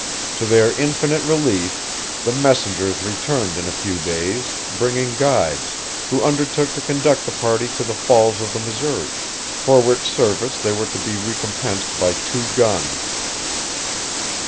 To their infinite relief, the messengers returned in a few days, bringing guides, who undertook to conduct the party to the Falls of the Missouri, for which service they were to be recompensed by two guns.